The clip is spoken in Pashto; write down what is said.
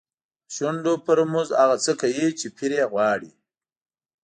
د شونډو په رموز هغه څه کوي چې پیر یې غواړي.